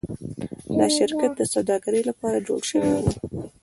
دا شرکت د سوداګرۍ لپاره جوړ شوی و.